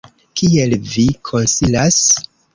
Kiel vi konsilas?